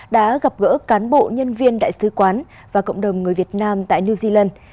đã gặp gỡ cán bộ nhân viên đại sứ quán và cộng đồng người việt nam tại new zealand